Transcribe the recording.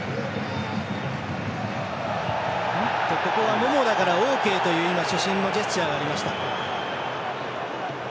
ももだからオーケーという主審のジェスチャーがありました。